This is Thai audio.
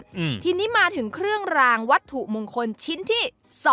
อืมทีนี้มาถึงเครื่องรางวัตถุมงคลชิ้นที่สอง